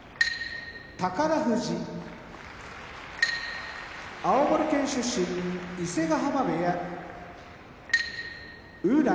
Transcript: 富士青森県出身伊勢ヶ濱部屋宇良